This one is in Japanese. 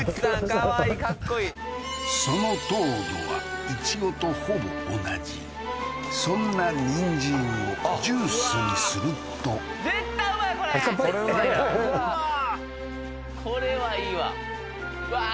かわいいかっこいいその糖度はイチゴとほぼ同じそんなニンジンをジュースにすると絶対うまいこれうわーこれはいいわうわー